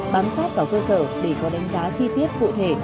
bám sát vào cơ sở để có đánh giá chi tiết cụ thể